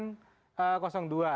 dua yang menguntungkan dua